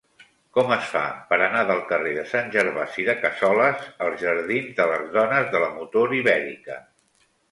Com es fa per anar del carrer de Sant Gervasi de Cassoles als jardins de les Dones de la Motor Ibèrica?